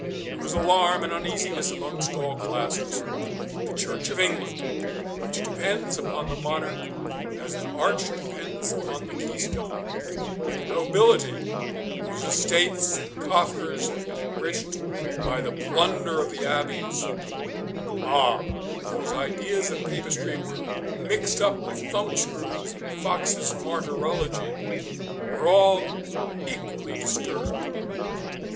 There was alarm and uneasiness amongst all classes. The Church of England, which depends upon the monarch as an arch depends upon the keystone; the nobility, whose estates and coffers had been enriched by the plunder of the abbeys; the mob, whose ideas of Papistry were mixed up with thumbscrews and Fox's Martyrology, were all equally disturbed.